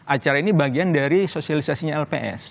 acara ini bagian dari sosialisasinya lps